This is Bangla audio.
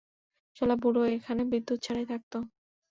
শালা বুড়ো এখানে বিদ্যুৎ ছাড়াই থাকতো?